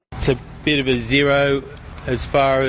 ini sedikit seperti